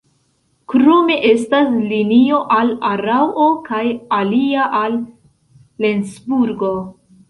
Krome estas linio al Araŭo kaj alia al Lencburgo.